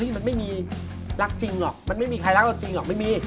มันไม่มีรักจริงหรอกมันไม่มีใครรักเราจริงหรอกไม่มี